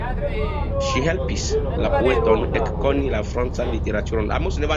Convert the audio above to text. Ŝi helpis la poeton ekkoni la francan literaturon.